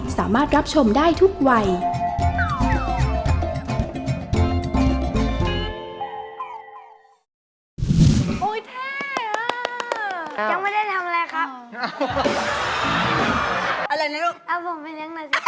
สามารถรับชมได้ทุกวัย